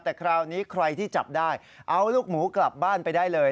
แต่คราวนี้ใครที่จับได้เอาลูกหมูกลับบ้านไปได้เลย